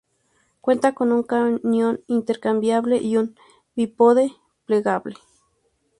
Cuenta con un cañón intercambiable y un bípode plegable.